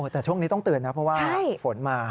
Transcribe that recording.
แต่ช่วงนี้ต้องเตือนนะเพราะว่าฝนมา